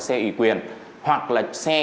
xe ủy quyền hoặc là xe